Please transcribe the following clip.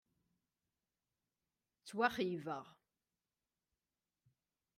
Ttwaxeyybeɣ.